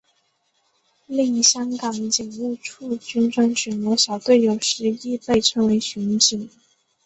另香港警务处军装巡逻小队有时亦被称为巡警。